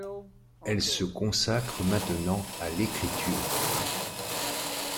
Elle se consacre maintenant à l’écriture.